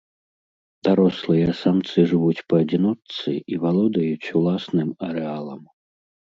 Дарослыя самцы жывуць па адзіночцы і валодаюць уласным арэалам.